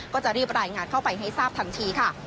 ก็จะรีบรายงานเข้าไปให้ทราบทันทีค่ะ